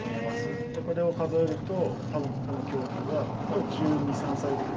これを数えると多分この恐竜は１２１３歳ぐらい。